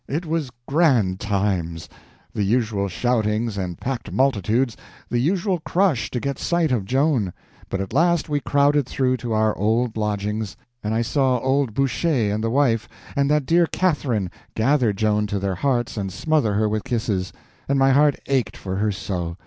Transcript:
It was grand times; the usual shoutings and packed multitudes, the usual crush to get sight of Joan; but at last we crowded through to our old lodgings, and I saw old Boucher and the wife and that dear Catherine gather Joan to their hearts and smother her with kisses—and my heart ached for her so!